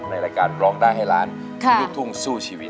ในรายการร้องได้ให้ล้านลูกทุ่งสู้ชีวิต